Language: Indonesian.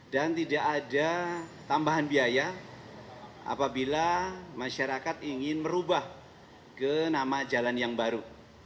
dan tidak ada tambahan biaya apabila masyarakat ingin merubah ke nama jalan yang baru